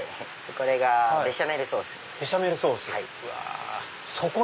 これがベシャメルソースです。